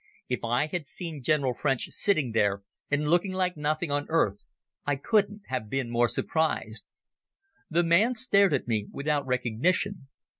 If I had seen General French sitting there and looking like nothing on earth I couldn't have been more surprised. The man stared at me without recognition.